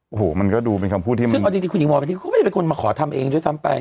โอ้โหมันก็ดูเป็นคำพูดที่มาซึ่งเอาจริงคุณหญิงหมอเป็นที่เขาก็ไม่ได้เป็นคนมาขอทำเองด้วยซ้ำไป